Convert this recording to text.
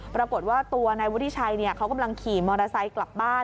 ปรากฏว่าตัวนายวุฒิชัยเขากำลังขี่มอเตอร์ไซค์กลับบ้าน